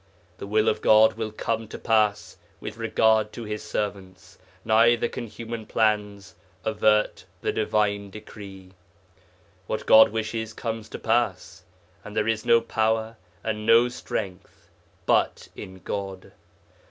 The will of God will come to pass with regard to His servants, neither can human plans avert the Divine decree. What God wishes comes to pass, and there is no power and no strength, but in God.